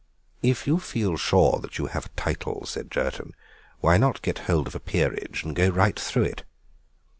"If you feel sure that you have a title," said Jerton, "why not get hold of a peerage and go right through it?"